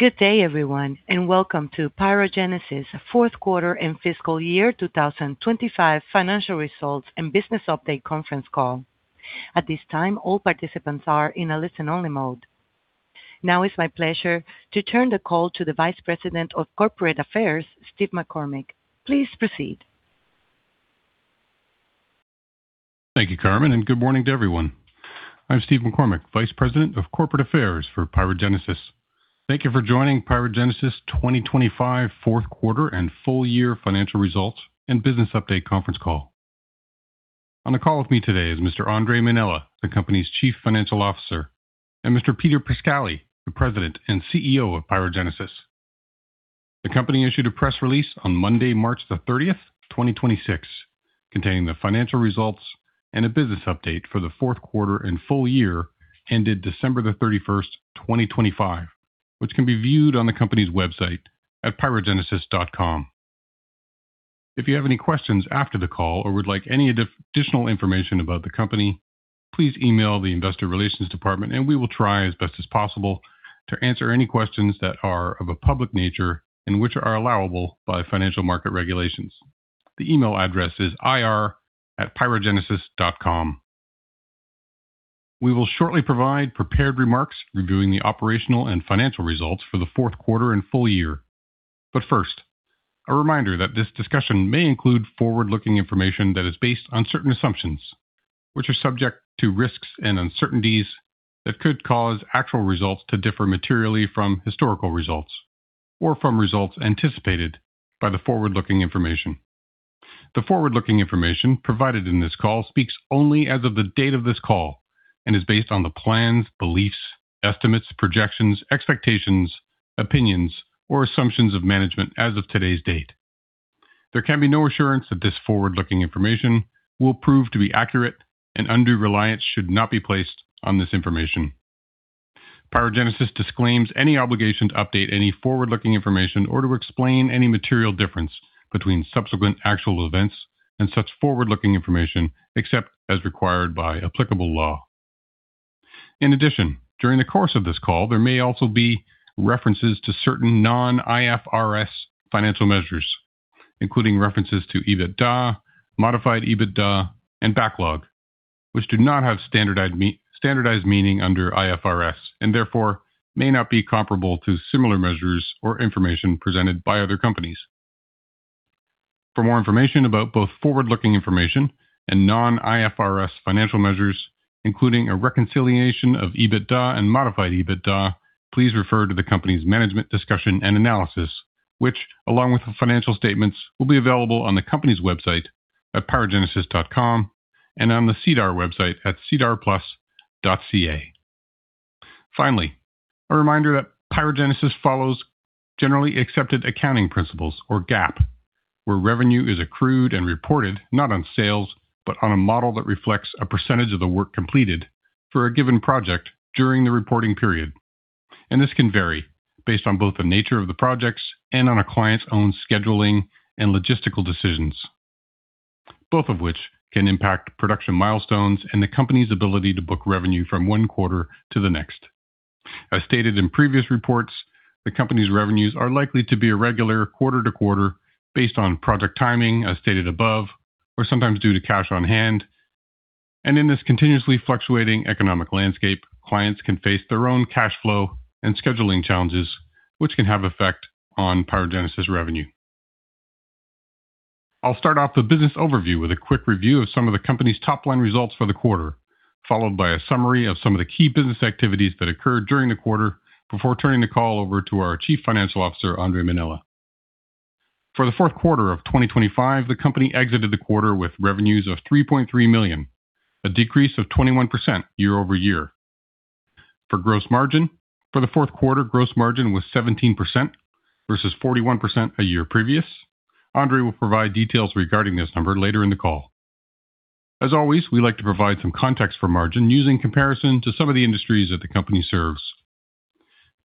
Good day, everyone, and welcome to PyroGenesis fourth quarter and fiscal year 2025 financial results and business update conference call. At this time, all participants are in a listen-only mode. Now it's my pleasure to turn the call to the Vice President of Corporate Affairs, Steve McCormick. Please proceed. Thank you, Carmen, and good morning to everyone. I'm Steve McCormick, Vice President of Corporate Affairs for PyroGenesis. Thank you for joining PyroGenesis 2025 fourth quarter and full year financial results and business update conference call. On the call with me today is Mr. Andre Mainella, the company's Chief Financial Officer, and Mr. Peter Pascali, the President and CEO of PyroGenesis. The company issued a press release on Monday, March 30, 2026, containing the financial results and a business update for the fourth quarter and full year ended December 31, 2025, which can be viewed on the company's website at pyrogenesis.com. If you have any questions after the call or would like any additional information about the company, please email the Investor Relations Department and we will try as best as possible to answer any questions that are of a public nature, and which are allowable by financial market regulations. The email address is ir@pyrogenesis.com. We will shortly provide prepared remarks reviewing the operational and financial results for the fourth quarter and full year. First, a reminder that this discussion may include forward-looking information that is based on certain assumptions, which are subject to risks and uncertainties that could cause actual results to differ materially from historical results or from results anticipated by the forward-looking information. The forward-looking information provided in this call speaks only as of the date of this call and is based on the plans, beliefs, estimates, projections, expectations, opinions, or assumptions of management as of today's date. There can be no assurance that this forward-looking information will prove to be accurate, and undue reliance should not be placed on this information. PyroGenesis disclaims any obligation to update any forward-looking information or to explain any material difference between subsequent actual events and such forward-looking information except as required by applicable law. In addition, during the course of this call, there may also be references to certain non-IFRS financial measures, including references to EBITDA, modified EBITDA, and backlog, which do not have standardized meaning under IFRS, and therefore may not be comparable to similar measures or information presented by other companies. For more information about both forward-looking information and non-IFRS financial measures, including a reconciliation of EBITDA and modified EBITDA, please refer to the company's management discussion and analysis, which along with the financial statements, will be available on the company's website at pyrogenesis.com and on the SEDAR+ website at sedarplus.ca. Finally, a reminder that PyroGenesis follows generally accepted accounting principles or GAAP, where revenue is accrued and reported not on sales, but on a model that reflects a percentage of the work completed for a given project during the reporting period. This can vary based on both the nature of the projects and on a client's own scheduling and logistical decisions, both of which can impact production milestones and the company's ability to book revenue from one quarter to the next. As stated in previous reports, the company's revenues are likely to be irregular quarter to quarter based on project timing, as stated above, or sometimes due to cash on hand. In this continuously fluctuating economic landscape, clients can face their own cash flow and scheduling challenges, which can have effect on PyroGenesis revenue. I'll start off the business overview with a quick review of some of the company's top-line results for the quarter, followed by a summary of some of the key business activities that occurred during the quarter before turning the call over to our Chief Financial Officer, Andre Mainella. For the fourth quarter of 2025, the company exited the quarter with revenues of 3.3 million, a decrease of 21% year-over-year. For gross margin, for the fourth quarter, gross margin was 17% versus 41% a year previous. Andre will provide details regarding this number later in the call. As always, we like to provide some context for margin using comparison to some of the industries that the company serves.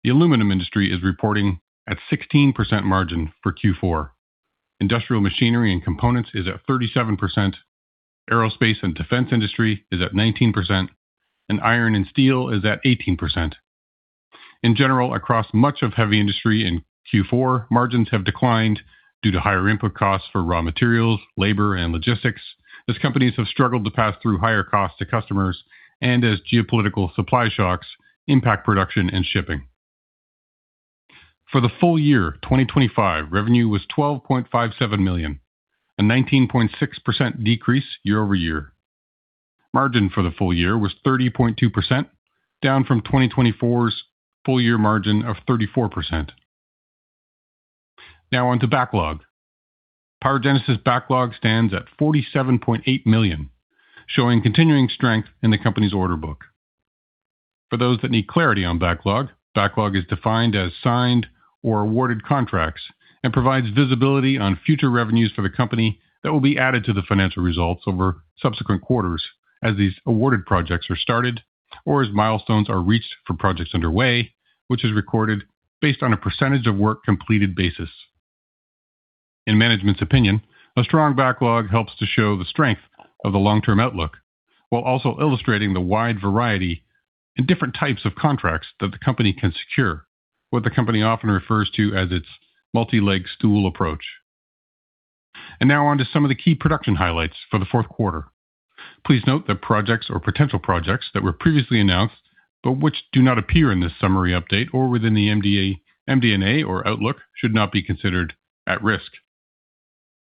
The aluminum industry is reporting at 16% margin for Q4. Industrial machinery and components is at 37%. Aerospace and defense industry is at 19%, and iron and steel is at 18%. In general, across much of heavy industry in Q4, margins have declined due to higher input costs for raw materials, labor, and logistics, as companies have struggled to pass through higher costs to customers and as geopolitical supply shocks impact production and shipping. For the full year 2025, revenue was 12.57 million, a 19.6% decrease year-over-year. Margin for the full year was 30.2%, down from 2024's full year margin of 34%. Now on to backlog. PyroGenesis backlog stands at 47.8 million, showing continuing strength in the company's order book. For those that need clarity on backlog is defined as signed or awarded contracts and provides visibility on future revenues for the company that will be added to the financial results over subsequent quarters as these awarded projects are started or as milestones are reached for projects underway, which is recorded based on a percentage of work completed basis. In management's opinion, a strong backlog helps to show the strength of the long-term outlook while also illustrating the wide variety and different types of contracts that the company can secure, what the company often refers to as its multi-leg stool approach. Now on to some of the key production highlights for the fourth quarter. Please note that projects or potential projects that were previously announced, but which do not appear in this summary update or within the MD&A or outlook, should not be considered at risk.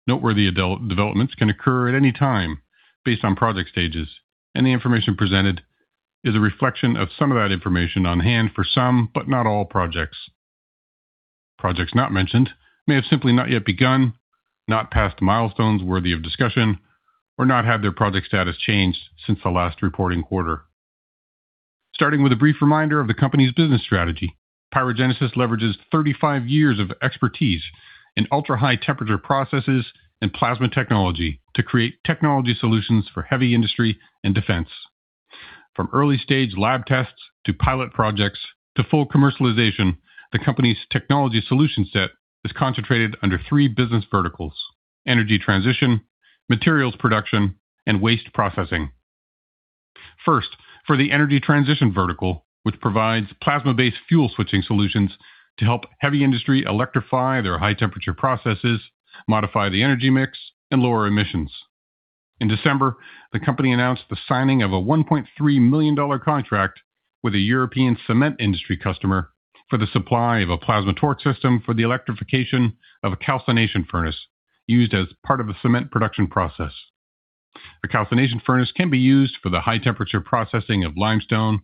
Noteworthy developments can occur at any time based on project stages, and the information presented is a reflection of some of that information on hand for some, but not all projects. Projects not mentioned may have simply not yet begun, not passed milestones worthy of discussion, or not had their project status changed since the last reporting quarter. Starting with a brief reminder of the company's business strategy, PyroGenesis leverages 35 years of expertise in ultra-high temperature processes and plasma technology to create technology solutions for heavy industry and defense. From early-stage lab tests to pilot projects to full commercialization, the company's technology solution set is concentrated under three business verticals, energy transition, materials production, and waste processing. First, for the energy transition vertical, which provides plasma-based fuel switching solutions to help heavy industry electrify their high temperature processes, modify the energy mix, and lower emissions. In December, the company announced the signing of a 1.3 million dollar contract with a European cement industry customer for the supply of a plasma torch system for the electrification of a calcination furnace used as part of a cement production process. A calcination furnace can be used for the high temperature processing of limestone,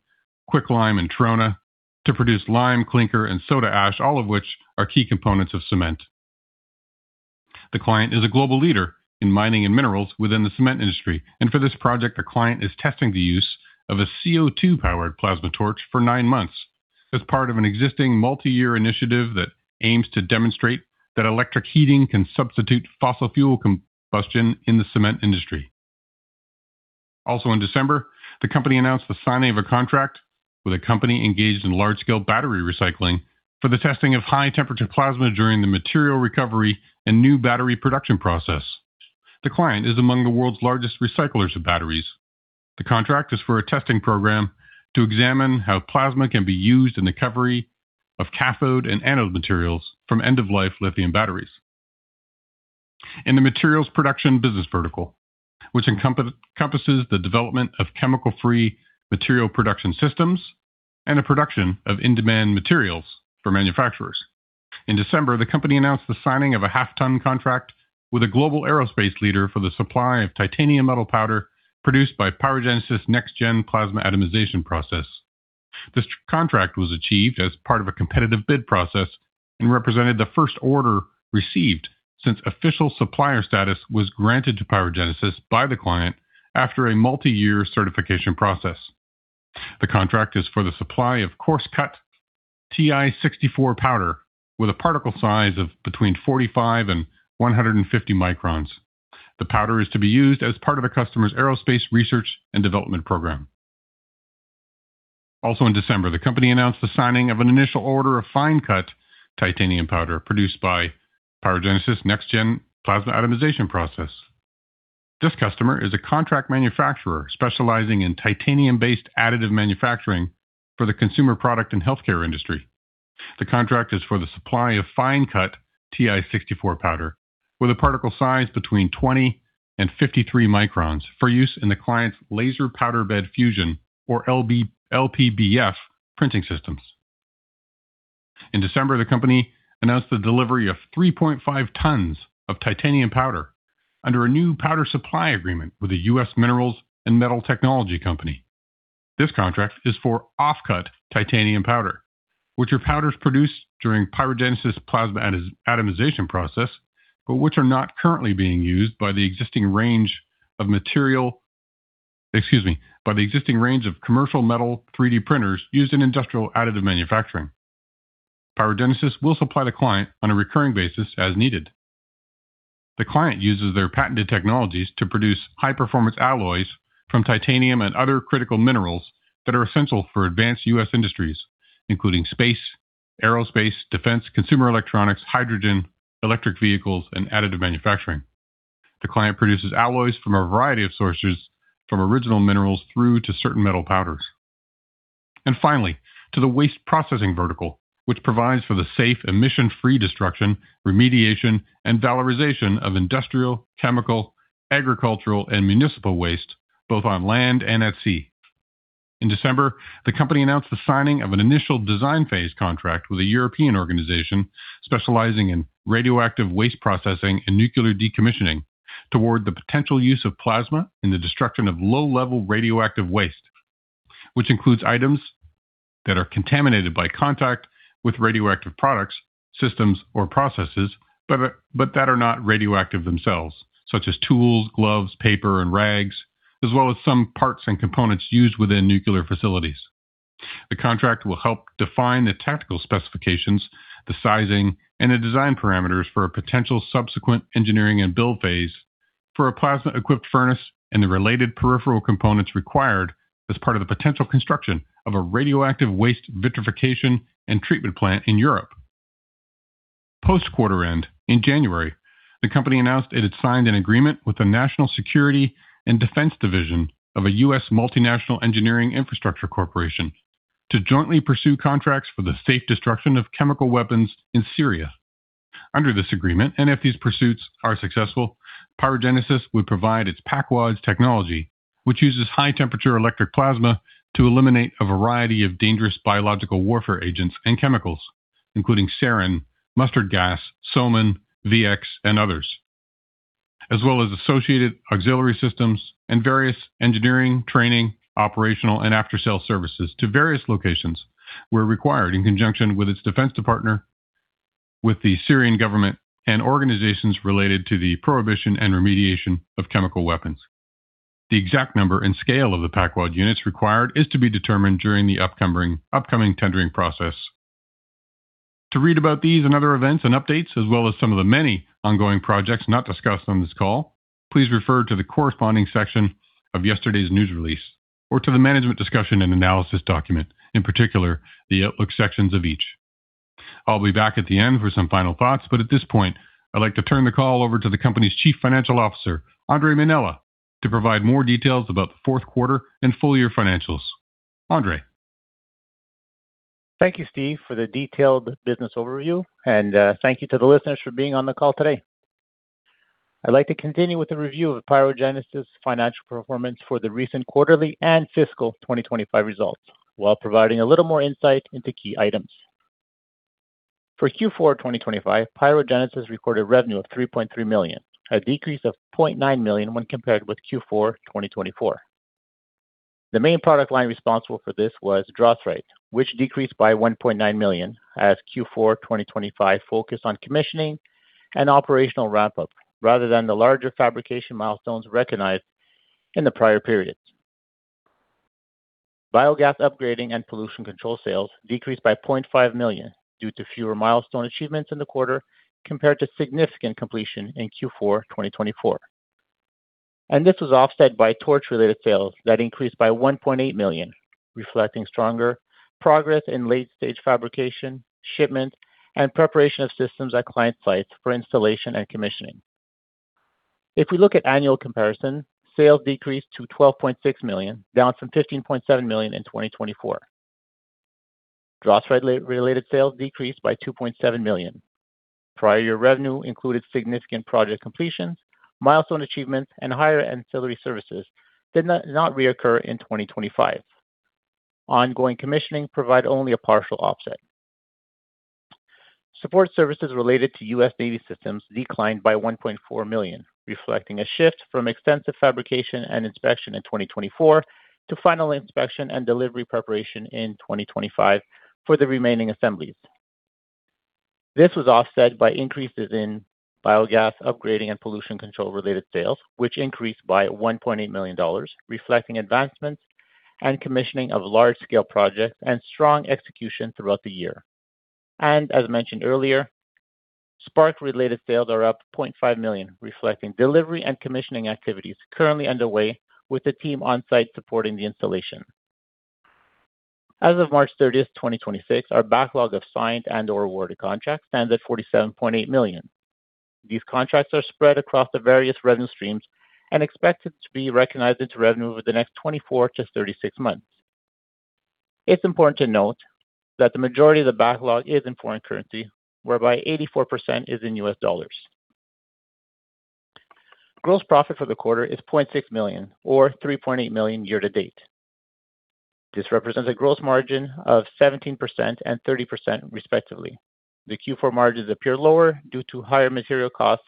quick lime, and trona to produce lime, clinker, and soda ash, all of which are key components of cement. The client is a global leader in mining and minerals within the cement industry. For this project, the client is testing the use of a CO₂-powered plasma torch for nine months as part of an existing multi-year initiative that aims to demonstrate that electric heating can substitute fossil fuel combustion in the cement industry. Also in December, the company announced the signing of a contract with a company engaged in large-scale battery recycling for the testing of high temperature plasma during the material recovery and new battery production process. The client is among the world's largest recyclers of batteries. The contract is for a testing program to examine how plasma can be used in the recovery of cathode and anode materials from end-of-life lithium batteries. In the Materials Production business vertical, which encompasses the development of chemical-free material production systems and the production of in-demand materials for manufacturers. In December, the company announced the signing of a 0.5-ton contract with a global aerospace leader for the supply of titanium metal powder produced by PyroGenesis' next-gen plasma atomization process. This contract was achieved as part of a competitive bid process and represented the first order received since official supplier status was granted to PyroGenesis by the client after a multi-year certification process. The contract is for the supply of coarse cut Ti64 powder with a particle size of between 45 and 150 microns. The powder is to be used as part of the customer's aerospace research and development program. Also in December, the company announced the signing of an initial order of fine cut titanium powder produced by PyroGenesis' next-gen plasma atomization process. This customer is a contract manufacturer specializing in titanium-based additive manufacturing for the consumer product and healthcare industry. The contract is for the supply of fine cut Ti64 powder with a particle size between 20 and 53 microns for use in the client's laser powder bed fusion or LPBF printing systems. In December, the company announced the delivery of 3.5 tons of titanium powder under a new powder supply agreement with the U.S. minerals and metal technology company. This contract is for off-cut titanium powder, which are powders produced during PyroGenesis plasma atomization process, but which are not currently being used by the existing range of commercial metal 3D printers used in industrial additive manufacturing. PyroGenesis will supply the client on a recurring basis as needed. The client uses their patented technologies to produce high-performance alloys from titanium and other critical minerals that are essential for advanced U.S. industries, including space, aerospace, defense, consumer electronics, hydrogen, electric vehicles, and additive manufacturing. The client produces alloys from a variety of sources, from original minerals through to certain metal powders. Finally, to the waste processing vertical, which provides for the safe emission-free destruction, remediation, and valorization of industrial, chemical, agricultural, and municipal waste, both on land and at sea. In December, the company announced the signing of an initial design phase contract with a European organization specializing in radioactive waste processing and nuclear decommissioning toward the potential use of plasma in the destruction of low-level radioactive waste, which includes items that are contaminated by contact with radioactive products, systems or processes, but that are not radioactive themselves, such as tools, gloves, paper, and rags, as well as some parts and components used within nuclear facilities. The contract will help define the technical specifications, the sizing, and the design parameters for a potential subsequent engineering and build phase for a plasma-equipped furnace and the related peripheral components required as part of the potential construction of a radioactive waste vitrification and treatment plant in Europe. Post-quarter end, in January, the company announced it had signed an agreement with the National Security and Defense Division of a U.S. multinational engineering infrastructure corporation to jointly pursue contracts for the safe destruction of chemical weapons in Syria. Under this agreement, if these pursuits are successful, PyroGenesis would provide its PACWAD technology, which uses high-temperature electric plasma to eliminate a variety of dangerous biological warfare agents and chemicals, including sarin, mustard gas, soman, VX, and others, as well as associated auxiliary systems and various engineering, training, operational, and after-sales services to various locations where required in conjunction with its defense partner, with the Syrian government, and organizations related to the prohibition and remediation of chemical weapons. The exact number and scale of the PACWAD units required is to be determined during the upcoming tendering process. To read about these and other events and updates, as well as some of the many ongoing projects not discussed on this call, please refer to the corresponding section of yesterday's news release or to the management discussion and analysis document, in particular, the outlook sections of each. I'll be back at the end for some final thoughts, but at this point, I'd like to turn the call over to the company's Chief Financial Officer, Andre Mainella, to provide more details about the fourth quarter and full-year financials. Andre. Thank you, Steve, for the detailed business overview, and thank you to the listeners for being on the call today. I'd like to continue with the review of PyroGenesis' financial performance for the recent quarterly and fiscal 2025 results while providing a little more insight into key items. For Q4 2025, PyroGenesis recorded revenue of 3.3 million, a decrease of 0.9 million when compared with Q4 2024. The main product line responsible for this was DROSRITE, which decreased by 1.9 million as Q4 2025 focused on commissioning and operational ramp-up rather than the larger fabrication milestones recognized in the prior periods. Biogas upgrading and pollution control sales decreased by 0.5 million due to fewer milestone achievements in the quarter compared to significant completion in Q4 2024. This was offset by TORCH-related sales that increased by 1.8 million, reflecting stronger progress in late-stage fabrication, shipment, and preparation of systems at client sites for installation and commissioning. If we look at annual comparison, sales decreased to 12.6 million, down from 15.7 million in 2024. DROSRITE-related sales decreased by 2.7 million. Prior year revenue included significant project completions, milestone achievements, and higher ancillary services did not reoccur in 2025. Ongoing commissioning provide only a partial offset. Support services related to U.S. Navy systems declined by 1.4 million, reflecting a shift from extensive fabrication and inspection in 2024 to final inspection and delivery preparation in 2025 for the remaining assemblies. This was offset by increases in biogas upgrading and pollution control-related sales, which increased by 1.8 million dollars, reflecting advancements and commissioning of large-scale projects and strong execution throughout the year. As mentioned earlier, SPARC-related sales are up 0.5 million, reflecting delivery and commissioning activities currently underway with the team on-site supporting the installation. As of March 30, 2026, our backlog of signed and/or awarded contracts stands at 47.8 million. These contracts are spread across the various revenue streams and expected to be recognized into revenue over the next 24-36 months. It's important to note that the majority of the backlog is in foreign currency, whereby 84% is in US dollars. Gross profit for the quarter is 0.6 million or 3.8 million year to date. This represents a gross margin of 17% and 30% respectively. The Q4 margins appear lower due to higher material costs,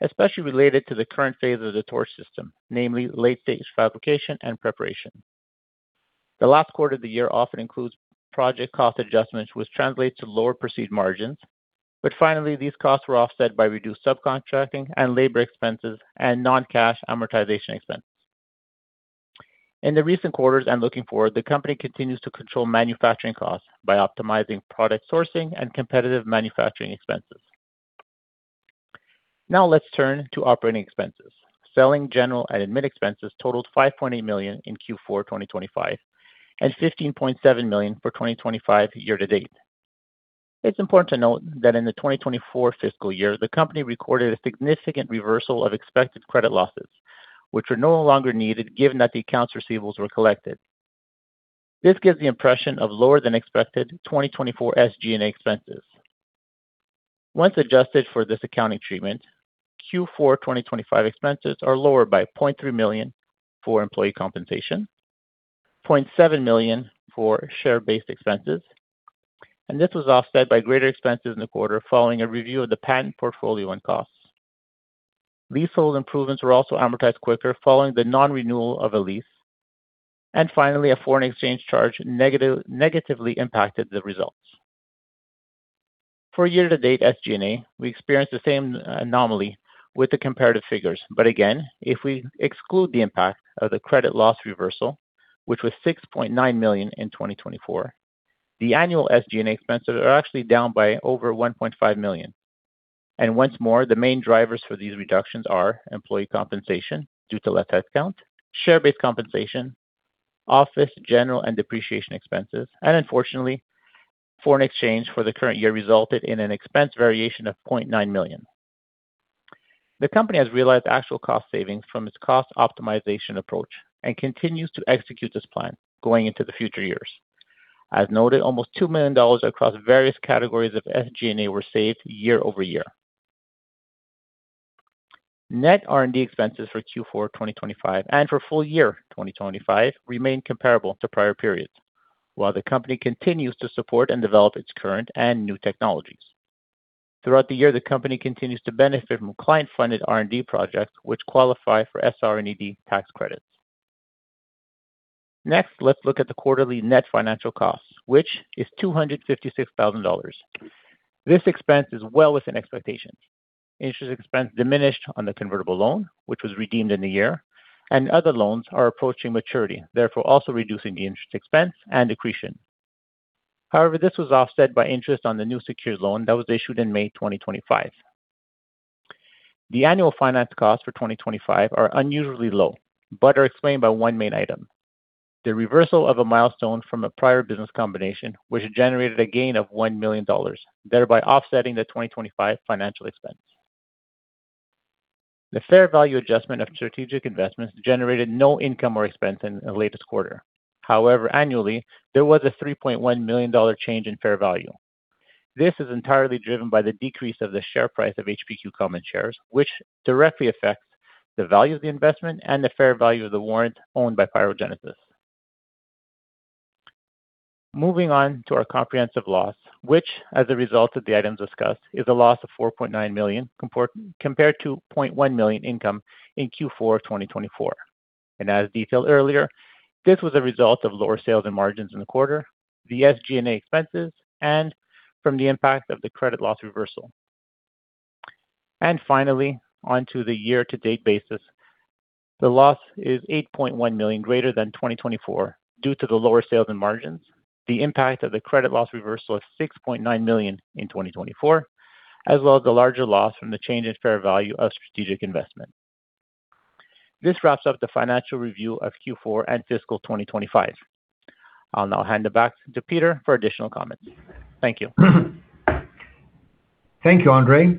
especially related to the current phase of the TORCH system, namely late-stage fabrication and preparation. The last quarter of the year often includes project cost adjustments, which translate to lower perceived margins, but finally, these costs were offset by reduced subcontracting and labor expenses and non-cash amortization expenses. In the recent quarters and looking forward, the company continues to control manufacturing costs by optimizing product sourcing and competitive manufacturing expenses. Now let's turn to operating expenses. Selling, general, and admin expenses totaled 5.8 million in Q4 2025 and 15.7 million for 2025 year to date. It's important to note that in the 2024 fiscal year, the company recorded a significant reversal of expected credit losses, which were no longer needed given that the accounts receivables were collected. This gives the impression of lower than expected 2024 SG&A expenses. Once adjusted for this accounting treatment, Q4 2025 expenses are lower by 0.3 million for employee compensation, 0.7 million for share-based expenses, and this was offset by greater expenses in the quarter following a review of the patent portfolio and costs. Leasehold improvements were also amortized quicker following the non-renewal of a lease. Finally, a foreign exchange charge negatively impacted the results. For year-to-date SG&A, we experienced the same anomaly with the comparative figures. Again, if we exclude the impact of the credit loss reversal, which was 6.9 million in 2024. The annual SG&A expenses are actually down by over 1.5 million. Once more, the main drivers for these reductions are employee compensation due to less headcount, share-based compensation, office, general, and depreciation expenses. Unfortunately, foreign exchange for the current year resulted in an expense variation of 0.9 million. The company has realized actual cost savings from its cost optimization approach and continues to execute this plan going into the future years. As noted, almost 2 million dollars across various categories of SG&A were saved year-over-year. Net R&D expenses for Q4 2025 and for full year 2025 remained comparable to prior periods, while the company continues to support and develop its current and new technologies. Throughout the year, the company continues to benefit from client-funded R&D projects which qualify for SR&ED tax credits. Next, let's look at the quarterly net financial costs, which is 256,000 dollars. This expense is well within expectations. Interest expense diminished on the convertible loan, which was redeemed in the year, and other loans are approaching maturity, therefore also reducing the interest expense and accretion. However, this was offset by interest on the new secured loan that was issued in May 2025. The annual finance costs for 2025 are unusually low but are explained by one main item, the reversal of a milestone from a prior business combination, which generated a gain of 1 million dollars, thereby offsetting the 2025 financial expense. The fair value adjustment of strategic investments generated no income or expense in the latest quarter. However, annually, there was a 3.1 million dollar change in fair value. This is entirely driven by the decrease of the share price of HPQ common shares, which directly affects the value of the investment and the fair value of the warrant owned by PyroGenesis. Moving on to our comprehensive loss, which, as a result of the items discussed, is a loss of 4.9 million compared to 0.1 million income in Q4 2024. As detailed earlier, this was a result of lower sales and margins in the quarter, the SG&A expenses, and from the impact of the credit loss reversal. Finally, onto the year-to-date basis. The loss is 8.1 million greater than 2024 due to the lower sales and margins, the impact of the credit loss reversal of 6.9 million in 2024, as well as the larger loss from the change in fair value of strategic investment. This wraps up the financial review of Q4 and fiscal 2025. I'll now hand it back to Peter for additional comments. Thank you. Thank you, Andre.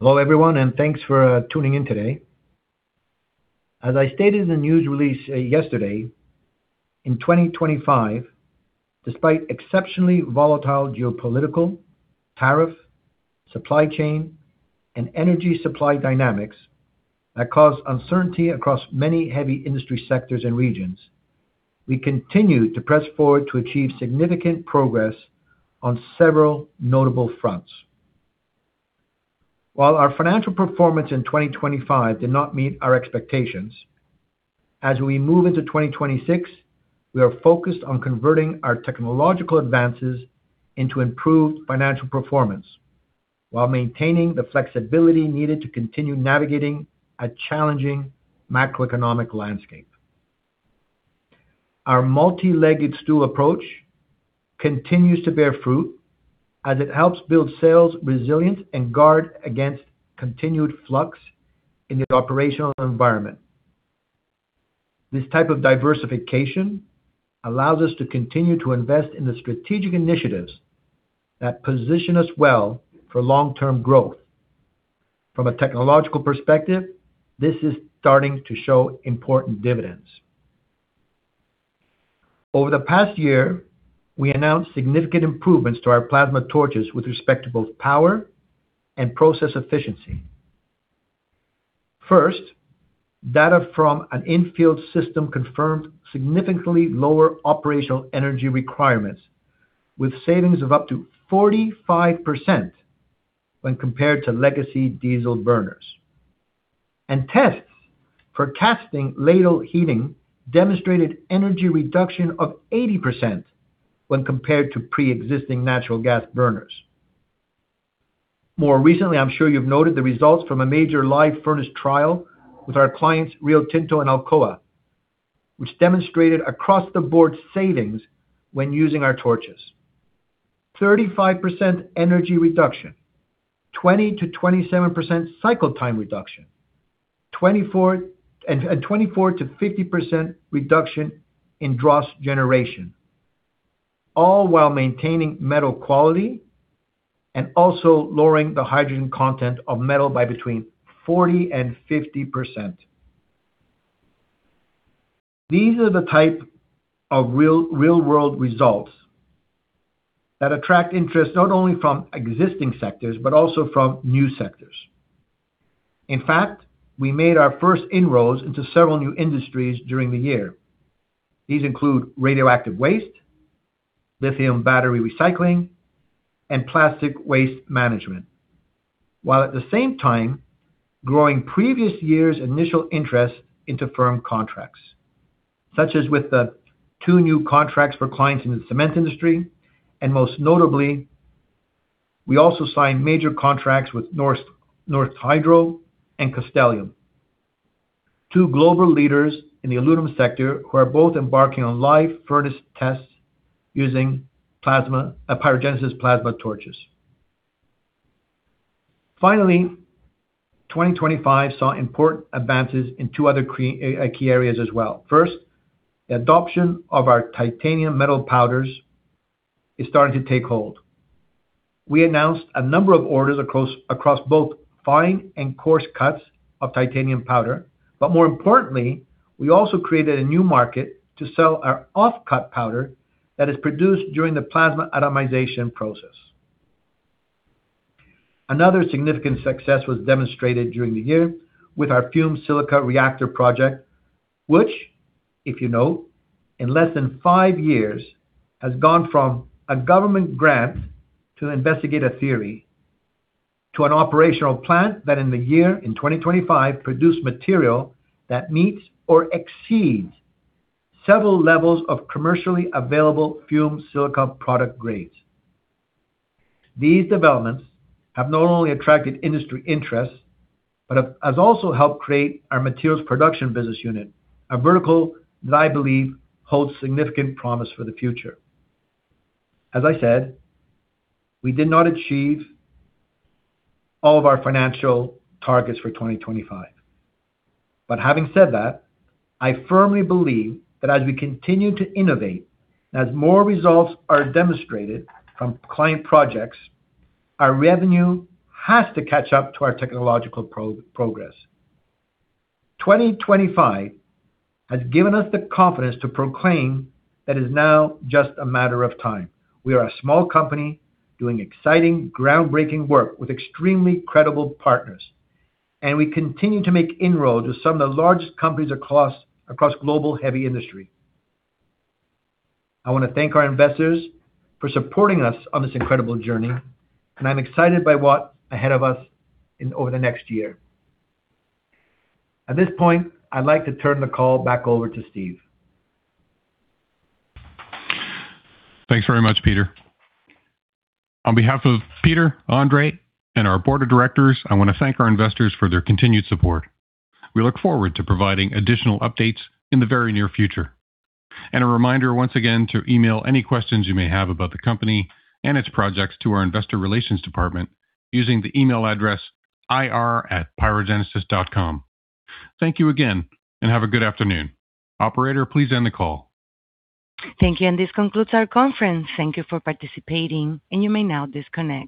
Hello, everyone, and thanks for tuning in today. As I stated in the news release yesterday, in 2025, despite exceptionally volatile geopolitical, tariff, supply chain, and energy supply dynamics that caused uncertainty across many heavy industry sectors and regions, we continued to press forward to achieve significant progress on several notable fronts. While our financial performance in 2025 did not meet our expectations, as we move into 2026, we are focused on converting our technological advances into improved financial performance while maintaining the flexibility needed to continue navigating a challenging macroeconomic landscape. Our multi-legged stool approach continues to bear fruit as it helps build sales resilience and guard against continued flux in the operational environment. This type of diversification allows us to continue to invest in the strategic initiatives that position us well for long-term growth. From a technological perspective, this is starting to show important dividends. Over the past year, we announced significant improvements to our plasma torches with respect to both power and process efficiency. First, data from an in-field system confirmed significantly lower operational energy requirements with savings of up to 45% when compared to legacy diesel burners. Tests for casting ladle heating demonstrated energy reduction of 80% when compared to pre-existing natural gas burners. More recently, I'm sure you've noted the results from a major live furnace trial with our clients, Rio Tinto and Alcoa, which demonstrated across-the-board savings when using our torches. 35% energy reduction, 20%-27% cycle time reduction, 24%-50% reduction in dross generation, all while maintaining metal quality and also lowering the hydrogen content of metal by between 40%-50%. These are the type of real-world results that attract interest not only from existing sectors but also from new sectors. In fact, we made our first inroads into several new industries during the year. These include radioactive waste, lithium battery recycling, and plastic waste management, while at the same time growing previous year's initial interest into firm contracts, such as with the two new contracts for clients in the cement industry, and most notably, we also signed major contracts with Norsk Hydro and Constellium. Two global leaders in the aluminum sector who are both embarking on live furnace tests using PyroGenesis plasma torches. Finally, 2025 saw important advances in two other key areas as well. First, the adoption of our titanium metal powders is starting to take hold. We announced a number of orders across both fine and coarse cuts of titanium powder. more importantly, we also created a new market to sell our off-cut powder that is produced during the plasma atomization process. Another significant success was demonstrated during the year with our fumed silica reactor project, which, if you know, in less than five years has gone from a government grant to investigate a theory to an operational plant that in the year, in 2025, produced material that meets or exceeds several levels of commercially available fumed silica product grades. These developments have not only attracted industry interest, but has also helped create our Materials Production business unit, a vertical that I believe holds significant promise for the future. As I said, we did not achieve all of our financial targets for 2025. Having said that, I firmly believe that as we continue to innovate and as more results are demonstrated from client projects, our revenue has to catch up to our technological progress. 2025 has given us the confidence to proclaim that it is now just a matter of time. We are a small company doing exciting, groundbreaking work with extremely credible partners, and we continue to make inroads with some of the largest companies across global heavy industry. I wanna thank our investors for supporting us on this incredible journey, and I'm excited by what's ahead of us over the next year. At this point, I'd like to turn the call back over to Steve. Thanks very much, Peter. On behalf of Peter, Andre, and our board of directors, I wanna thank our investors for their continued support. We look forward to providing additional updates in the very near future. A reminder once again to email any questions you may have about the company and its projects to our investor relations department using the email address ir@pyrogenesis.com. Thank you again and have a good afternoon. Operator, please end the call. Thank you, and this concludes our conference. Thank you for participating, and you may now disconnect.